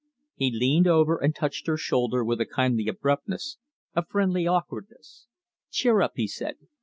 He leaned over and touched her shoulder with a kindly abruptness, a friendly awkwardness. "Cheer up," he said.